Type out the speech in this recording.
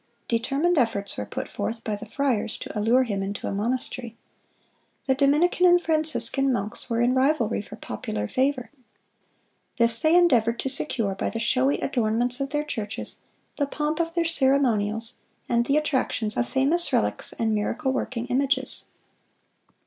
Determined efforts were put forth by the friars to allure him into a monastery. The Dominican and Franciscan monks were in rivalry for popular favor. This they endeavored to secure by the showy adornments of their churches, the pomp of their ceremonials, and the attractions of famous relics and miracle working images.